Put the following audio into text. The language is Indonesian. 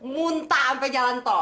muntah ampe jalan tol